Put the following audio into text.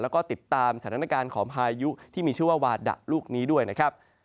แล้วก็ติดตามสถานการณ์ของพายุที่มีชื่อว่าวาดะลูกนี้ด้วยนะครับ